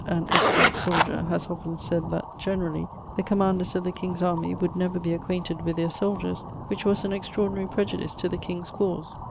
and expert soldier, haz often sayd, that (generally) the commanders of the king's army would never be acquainted with their soldiers, which was an extraordinary prejudice to the kings cause.